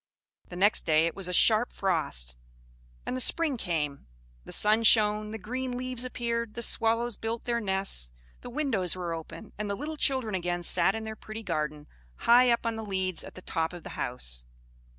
The next day it was a sharp frost and then the spring came; the sun shone, the green leaves appeared, the swallows built their nests, the windows were opened, and the little children again sat in their pretty garden, high up on the leads at the top of the house.